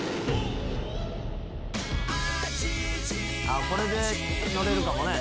あっこれで乗れるかもね。